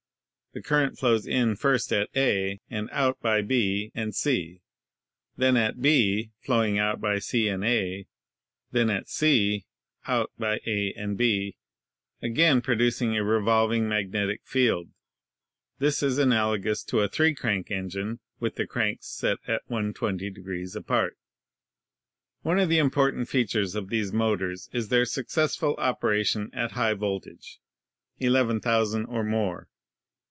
The current flows in first at A (and out by B and C), then at B (flowing out by C and A), then at C (out by A and B), again producing a revolving magnetic field. This is analogous to a 3 crank engine, with the cranks set at 120 apart." One of the important features of these motors is their successful operation at high voltage — 11,000 or more.